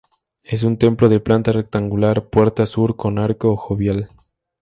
Es un templo de planta rectangular, puerta sur con arco ojival.